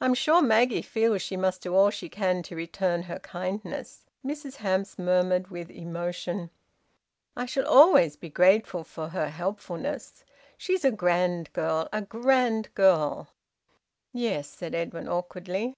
I'm sure Maggie feels she must do all she can to return her kindness," Mrs Hamps murmured, with emotion. "I shall always be grateful for her helpfulness! She's a grand girl, a grand girl!" "Yes," said Edwin awkwardly.